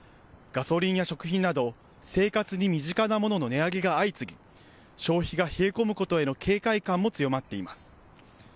ガソリンや食品など生活に身近なものの値上げが相次ぎ消費が冷え込むことへの警戒感も強まっています。